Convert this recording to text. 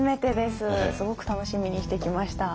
すごく楽しみにしてきました。